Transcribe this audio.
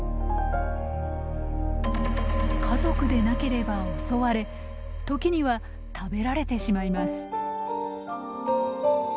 家族でなければ襲われ時には食べられてしまいます。